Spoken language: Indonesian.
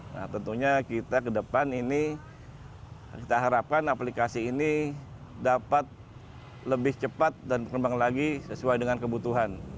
nah tentunya kita ke depan ini kita harapkan aplikasi ini dapat lebih cepat dan berkembang lagi sesuai dengan kebutuhan